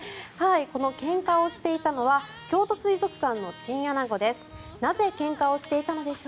このけんかをしていたのは京都水族館のチンアナゴです。